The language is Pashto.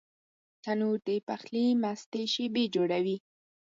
تنور د پخلي مستې شېبې جوړوي